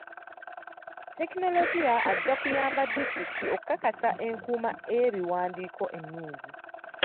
Tekinologiya ajja kuyamba disitulikiti okukakasa enkuuma y'ebiwandiiko ennungi.